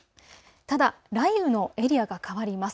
ただ雷雨のエリアが変わります。